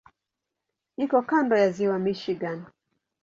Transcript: Iko kando ya Ziwa Michigan.